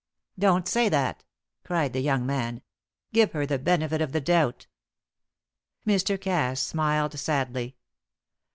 "Don t say that!" cried the young man. "Give her the benefit of the doubt." Mr. Cass smiled sadly.